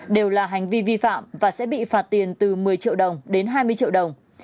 đều là hành vi vi phạm và sẽ bị phạt tiền từ một mươi triệu đồng đến hai mươi triệu đồng